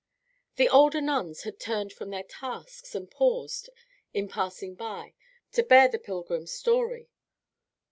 The older nuns had turned from their tasks and paused, in passing by, to bear the pilgrim's story.